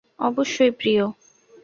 অবশ্যই, প্রিয়।